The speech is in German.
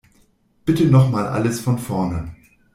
Bitte noch mal alles von vorne.